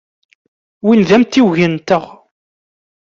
Win d amtiweg-nteɣ.